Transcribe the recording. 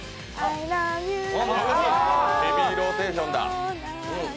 「ヘビーローテーション」だ！